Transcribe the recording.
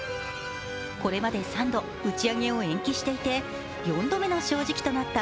これまで３度、打ち上げを延期していて、４度目の正直となった